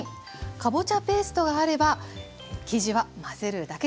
かぼちゃペーストがあれば生地は混ぜるだけです。